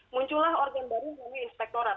muncullah organ baru yang diinspektorat